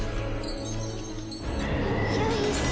よいしょ！